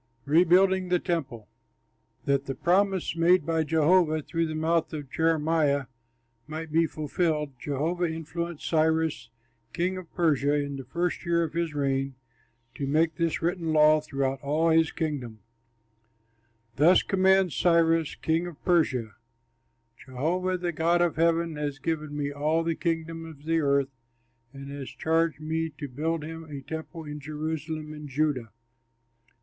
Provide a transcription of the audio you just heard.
REBUILDING THE TEMPLE That the promise made by Jehovah through the mouth of Jeremiah might be fulfilled, Jehovah influenced Cyrus, king of Persia, in the first year of his reign to make this written law throughout all his kingdom, "Thus commands Cyrus, king of Persia: 'Jehovah, the God of heaven, has given me all the kingdoms of the earth and has charged me to build him a temple in Jerusalem in Judah.